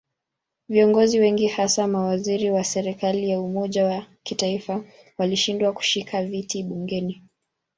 Viongozi wengi hasa mawaziri wa serikali ya umoja wa kitaifa walishindwa kushika viti bungeni.